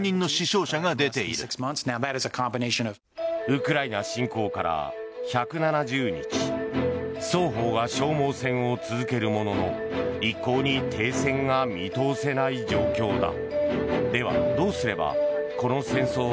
ウクライナ侵攻から１７０日双方が消耗戦を続けるものの一向に停戦が見通せない状況だ。